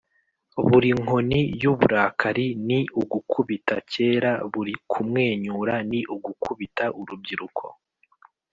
buri nkoni yuburakari ni ugukubita kera, buri kumwenyura ni ugukubita urubyiruko.